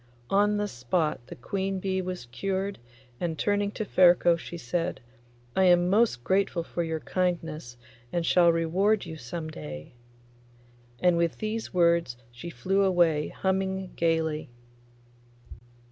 On the spot the queen bee was cured, and turning to Ferko she said, 'I am most grateful for your kindness, and shall reward you some day.' And with these words she flew away humming, gaily.